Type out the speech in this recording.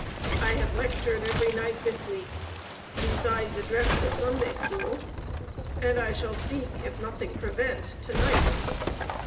I have lectured every night this week; besides addressed a Sunday school, and I shall speak, if nothing prevent, to night.